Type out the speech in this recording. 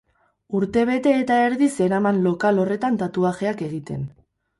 Urtebete eta erdi zeraman lokal horretan tatuajeak egiten.